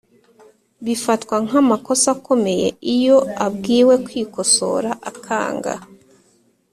Bifatwa nk amakosa akomeye iyo abwiwe kwikosora akanga